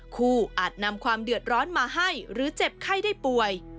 อาจนำความเดือดร้อนมาให้หรือเจ็บไข้ได้ป่วย